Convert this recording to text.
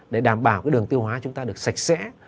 để đảm bảo cái đường tiêu hóa chúng ta được sạch sẽ